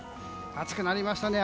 暑くなりましたね。